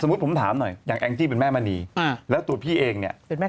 ผมถามหน่อยอย่างแองจี้เป็นแม่มณีแล้วตัวพี่เองเนี่ย